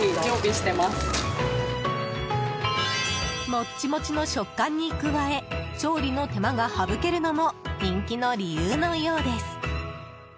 モッチモチの食感に加え調理の手間が省けるのも人気の理由のようです。